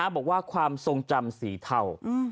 บอกว่าความทรงจำสีเทา